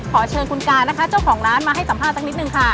ขอเชิญคุณกานะคะเจ้าของร้านมาให้สัมภาษณ์สักนิดนึงค่ะ